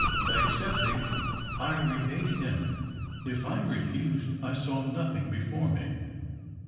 By accept ing, I repaid him ; if I refused, I saw nothing before me."